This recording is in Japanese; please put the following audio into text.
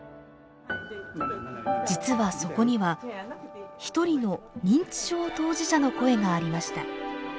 実はそこには一人の認知症当事者の声がありました。